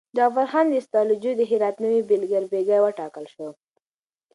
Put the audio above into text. جعفرخان استاجلو د هرات نوی بیګلربيګي وټاکل شو.